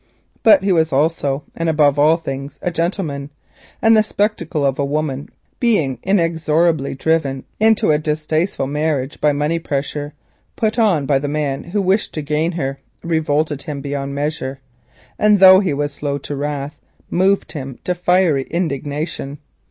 But he was also, and above all things, a gentleman; and the spectacle of a woman being inexorably driven into a distasteful marriage by money pressure, put on by the man who wished to gain her, revolted him beyond measure, and, though he was slow to wrath, moved him to fiery indignation.